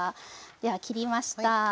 では切りました。